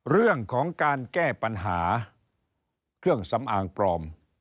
เรื่องของการแก้ปัญหาเครื่องสำอางปลอม